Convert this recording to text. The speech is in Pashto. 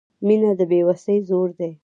• مینه د بې وسۍ زور دی.